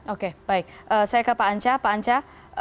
oke baik saya ke pak anca